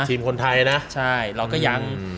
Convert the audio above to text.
ทีมคนไทยนะใช่เราก็ยัง